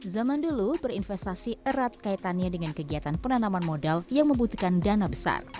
zaman dulu berinvestasi erat kaitannya dengan kegiatan penanaman modal yang membutuhkan dana besar